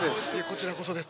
こちらこそです。